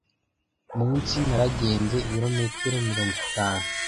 munsi naragenze ibirometero mirongo itanu.